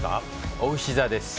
おうし座です。